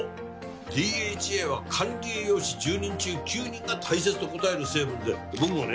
ＤＨＡは管理栄養士１０人中９人が大切と答える成分で僕もね